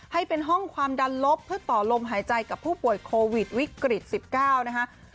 ให้เป็นห้องความดันลบเพื่อต่อลมหายใจกับผู้ป่วยโควิดวิกฤต๑๙นะคะ